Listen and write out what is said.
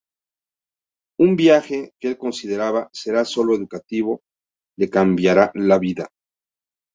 Un viaje, que el considera será solo educativo, le cambiará la vida.